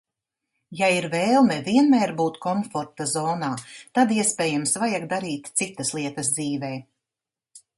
Ja ir vēlme vienmēr būt komforta zonā, tad, iespējams, vajag darīt citas lietas dzīvē.